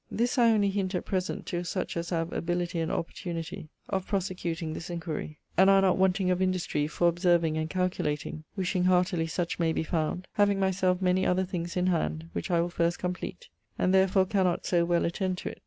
This I only hint at present to such as have ability and opportunity of prosecuting this inquiry, and are not wanting of industry for observing and calculating, wishing heartily such may be found, having my self many other things in hand, which I will first compleat, and therefore cannot soe well attend (to) it.